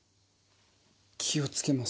気をつけます。